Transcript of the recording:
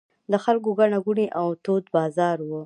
د خلکو ګڼه ګوڼې او تود بازار و.